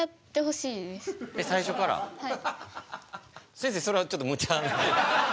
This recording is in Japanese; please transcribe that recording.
先生それはちょっとむちゃな。